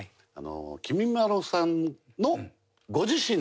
きみまろさんのご自身の残りの人生。